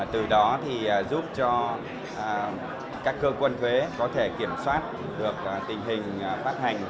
từ đó thì giúp cho các cơ quan thuế có thể kiểm soát được tình hình phát hành